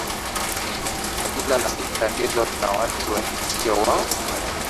kabila la dinga ndilo lina watu wengi ndiyo wa